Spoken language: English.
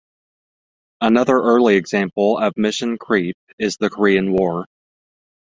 Another early example of mission creep is the Korean War.